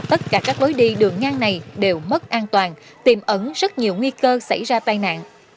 tất cả các lối đi đường ngang này đều mất an toàn tìm ẩn rất nhiều nguy cơ xảy ra tai nạn